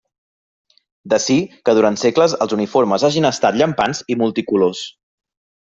D'ací que durant segles els uniformes hagin estat llampants i multicolors.